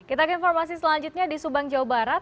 kita ke informasi selanjutnya di subang jawa barat